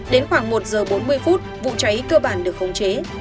đến khoảng một giờ bốn mươi phút vụ cháy cơ bản được khống chế